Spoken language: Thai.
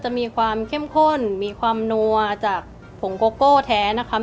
มีความเข้มข้นมีความนัวจากผงโกโก้แท้นะคะ